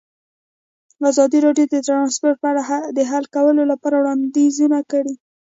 ازادي راډیو د ترانسپورټ په اړه د حل کولو لپاره وړاندیزونه کړي.